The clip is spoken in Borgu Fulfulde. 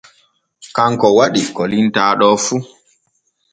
Kanko waɗi ko limtaa ɗo fu.